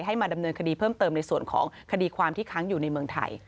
มาดำเนินคดีเพิ่มเติมในส่วนของคดีความที่ค้างอยู่ในเมืองไทย